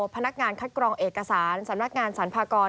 พนักงานคัดกรองเอกสารสำนักงานสรรพากร